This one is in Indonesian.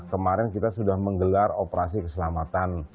kemarin kita sudah menggelar operasi keselamatan